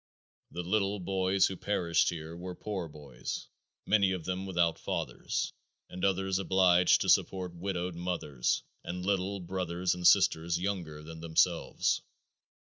The little boys who perished here were poor boys, many of them without fathers, and others obliged to support widowed mothers and little brothers and sisters younger than themselves.